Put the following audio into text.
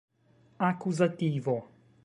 akuzativo